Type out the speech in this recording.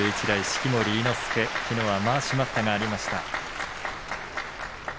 式守伊之助きのうは、まわし待ったがありました。